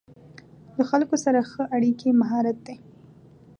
له خلکو سره ښه اړیکې مهارت دی.